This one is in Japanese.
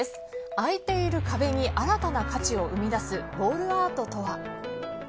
空いている壁に新たな価値を生み出すウォールアートとは。